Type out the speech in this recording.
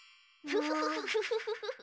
フフフフッ。